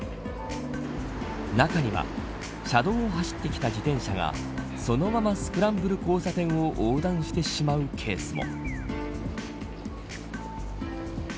中には車道を走ってきた自転車がそのままスクランブル交差点を横断してしまうケースも。